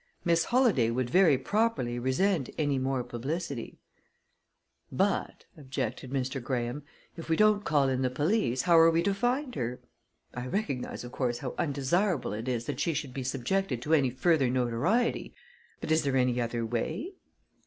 Miss Holladay would very properly resent any more publicity " "But," objected Mr. Graham, "if we don't call in the police, how are we to find her? I recognize, of course, how undesirable it is that she should be subjected to any further notoriety, but is there any other way?"